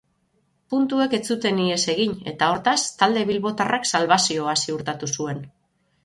Puntuek ez zuten ihes egin eta hortaz, talde bilbotarrak salbazioa ziurtatu zuen.